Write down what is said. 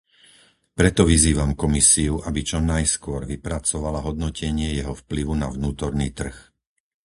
Preto vyzývam Komisiu, aby čo najskôr vypracovala hodnotenie jeho vplyvu na vnútorný trh.